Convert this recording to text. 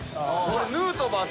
ヌートバー選手。